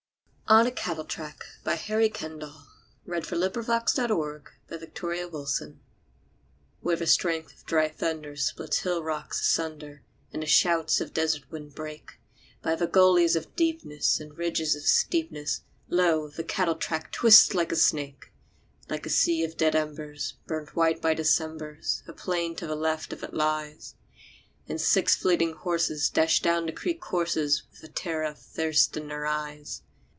To think of this sweet hearted maiden what name is too tender for her? On a Cattle Track Where the strength of dry thunder splits hill rocks asunder, And the shouts of the desert wind break, By the gullies of deepness and ridges of steepness, Lo, the cattle track twists like a snake! Like a sea of dead embers, burnt white by Decembers, A plain to the left of it lies; And six fleeting horses dash down the creek courses With the terror of thirst in their eyes.